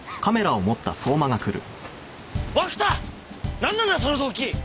なんなんだその動機！